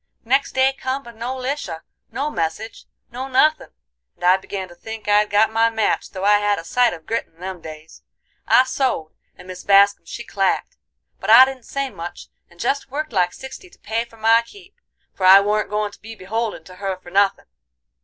Next day come, but no Lisha, no message, no nuthin', and I began to think I'd got my match though I had a sight of grit in them days. I sewed, and Mis Bascum she clacked; but I didn't say much, and jest worked like sixty to pay for my keep, for I warn't goin' to be beholden to her for nothin'.